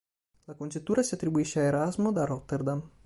La congettura si attribuisce a Erasmo da Rotterdam.